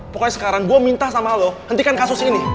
pokoknya sekarang gue minta sama allah hentikan kasus ini